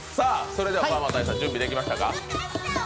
それではパーマ大佐、準備できましたか？